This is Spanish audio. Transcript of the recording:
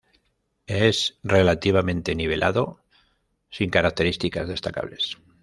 Es relativamente nivelado, sin características destacables.